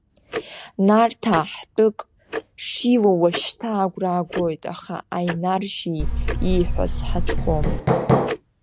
Нарҭаа ҳтәык шилоу уажәшьҭа агәра аагоит, аха Аинар-жьи ииҳәаз ҳазхом.